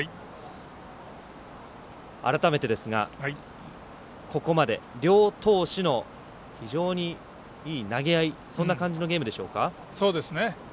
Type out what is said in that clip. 改めてですが、ここまで両投手の非常にいい投げ合いそんな感じのゲームでしょうか。